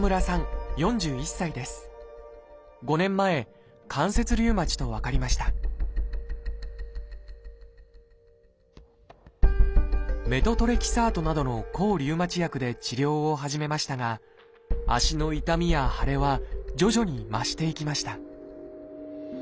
５年前関節リウマチと分かりましたメトトレキサートなどの抗リウマチ薬で治療を始めましたが足の痛みや腫れは徐々に増していきました